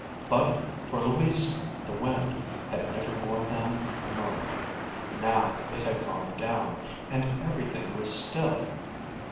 But for Louisa the wind had never more than murmured; now it had gone down, and everything was still.